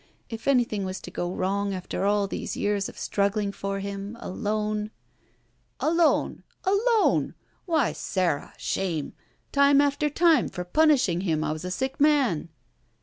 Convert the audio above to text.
If anything was to go wrong after all these years of struggling for him — alone —" "Alone! Alone! Why, Sara! Shame! Time after time for ptmishing him I was a sick man!"